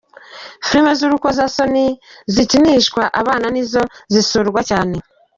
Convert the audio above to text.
Filime z’urukozasoni zikinishwa abana nizo zisurwa cyane.